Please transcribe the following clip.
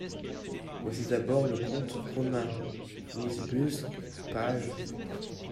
Voici d'abord le conte romain (miss Busk, p.